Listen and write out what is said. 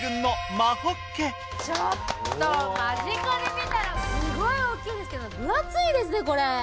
間近で見たらすごい大きいんですけど分厚いですねこれ。